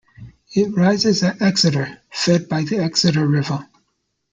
It rises at Exeter, fed by the Exeter River.